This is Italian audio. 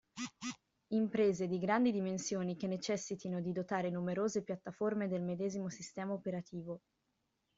Imprese di grandi dimensioni che necessitino di dotare numerose piattaforme del medesimo sistema operativo.